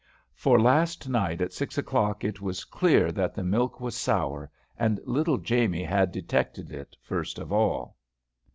For last night at six o'clock it was clear that the milk was sour, and little Jamie had detected it first of all.